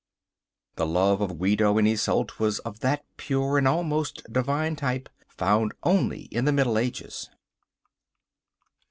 The love of Guido and Isolde was of that pure and almost divine type, found only in the middle ages.